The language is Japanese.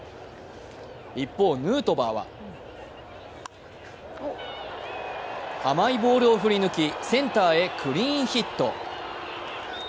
一方、ヌートバーは甘いボールを振り抜き、センターへクリーンヒット。